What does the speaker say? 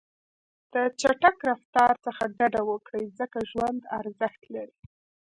د چټک رفتار څخه ډډه وکړئ، ځکه ژوند ارزښت لري.